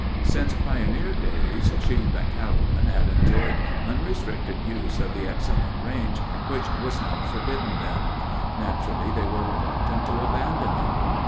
Since pioneer days, sheep and cattlemen had enjoyed unrestricted use of the excellent range which was now forbidden them. Naturally they were reluctant to abandon it.